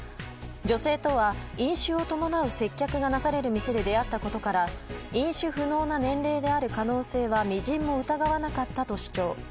女性とは飲酒を伴う接客がなされる店で出会ったことから飲酒不能な年齢である可能性はみじんも疑わなかったと主張。